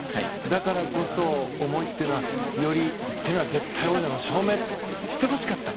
だからこそ、思いっていうのは絶対王者の証明をしてほしかった。